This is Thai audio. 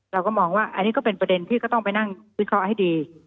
เราก็มองว่าอันนี้ก็เป็นประเด็นที่ก็ต้องไปนั่งวิเคราะห์ให้ดี